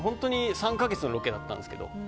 ３か月のロケだったんですが。